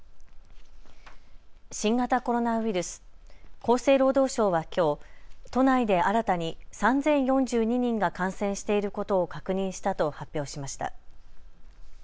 新型コロナウイルス、厚生労働省はきょう、都内で新たに３０４２人が感染していることを確認したと発表しました。